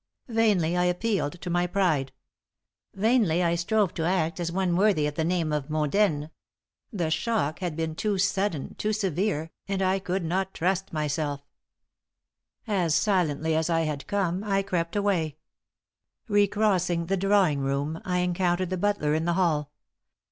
Vainly I appealed to my pride. Vainly I strove to act as one worthy of the name of mondaine. The shock had been too sudden, too severe, and I could not trust myself. [Illustration: "They played like creatures in a trance..."] As silently as I had come, I crept away. Recrossing the drawing room, I encountered the butler in the hall.